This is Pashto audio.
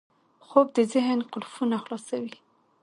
خوب د ذهن قفلونه خلاصوي